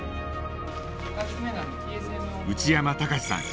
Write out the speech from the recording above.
内山崇さん。